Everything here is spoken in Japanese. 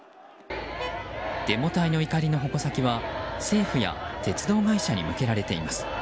デモ隊の怒りの矛先は政府や鉄道会社に向けられています。